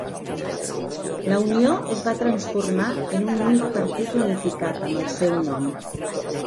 La Unió es va transformar en un únic partit unificat amb el seu nom.